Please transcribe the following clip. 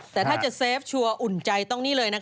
แต่ถ้าจะเซฟชัวร์อุ่นใจต้องนี่เลยนะคะ